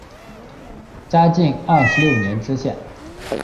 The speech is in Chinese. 嘉靖二十六年知县。